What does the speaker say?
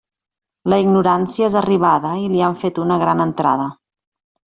La ignorància és arribada, i li han fet una gran entrada.